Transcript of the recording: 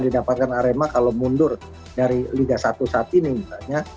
didapatkan arema kalau mundur dari liga satu saat ini misalnya